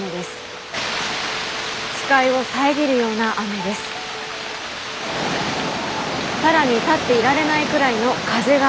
更に立っていられないくらいの風が吹きます。